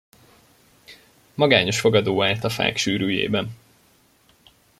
Magányos fogadó állt a fák sűrűjében.